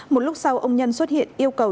một lúc sau ông nhân xuất hiện yêu cầu